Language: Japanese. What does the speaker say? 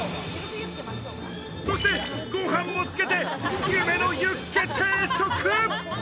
そしてご飯もつけて、夢のユッケ定食！